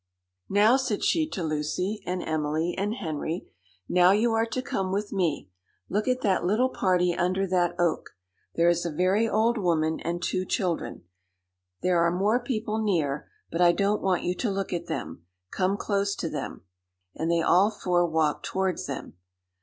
"Now," said she to Lucy, and Emily, and Henry, "now you are to come with me; look at that little party under that oak; there is a very old woman and two children. There are more people near, but I don't want you to look at them come close to them." And they all four walked towards them.